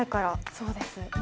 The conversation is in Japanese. そうです。